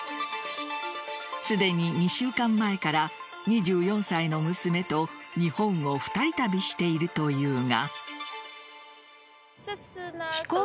すでに２週間前から２４歳の娘と日本を二人旅しているというが。